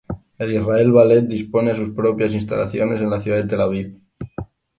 El Israel Ballet dispone de sus propias instalaciones en la ciudad de Tel Aviv.